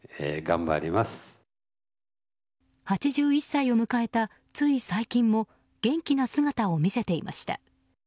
８１歳を迎えたつい最近も元気な姿を見せていました。